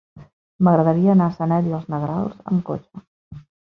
M'agradaria anar a Sanet i els Negrals amb cotxe.